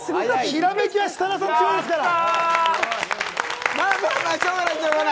ひらめきは設楽さん、強いですから。